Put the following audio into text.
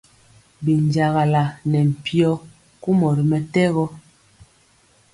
Binjagala ne mpyo kumɔ ri mɛtɛgɔ.